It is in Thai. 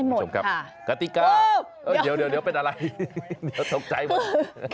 ได้หมดค่ะปุ๊บเดี๋ยวเป็นอะไรเดี๋ยวตกใจหมด